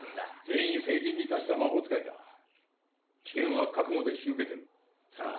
全員成人に達した魔法使いだ危険は覚悟で引き受けてるさあ